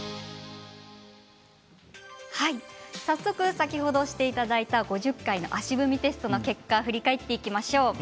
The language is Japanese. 先ほどしていただいた５０回の足踏みテストの結果を振り返ります。